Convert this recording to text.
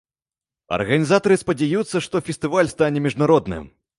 Арганізатары спадзяюцца, што фестываль стане міжнародным.